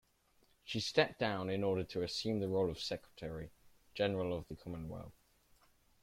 She stepped down in order to assume the role of Secretary-General of the Commonwealth.